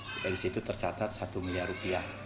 dari situ tercatat satu miliar rupiah